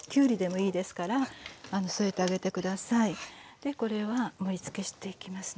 でこれは盛りつけしていきますね。